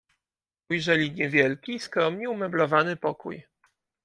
"Ujrzeli niewielki, skromnie umeblowany pokój."